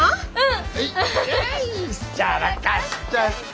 うん？